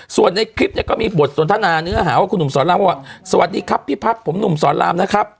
ส่วนในคลิปเนี่ยก็มีบทสนทนาเนื้อหาว่าคุณหนุ่มสอนรามว่าสวัสดีครับพี่พัฒน์ผมหนุ่มสอนรามนะครับ